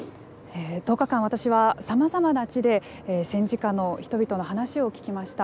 １０日間、私はさまざまな地で戦時下の人々の話を聞きました。